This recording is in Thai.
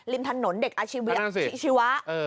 ริมถนนเด็กอาชีชีวะ